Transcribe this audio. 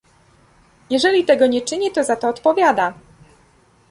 Jeżeli tego nie czyni, to za to odpowiada